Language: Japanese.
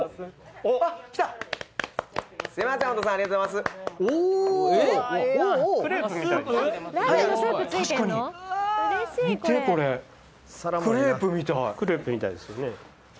おおおおクレープみたいですよね